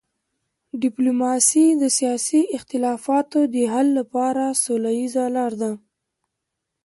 ډیپلوماسي د سیاسي اختلافاتو د حل لپاره سوله ییزه لار ده.